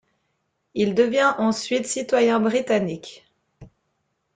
Il devient ensuite citoyen britannique.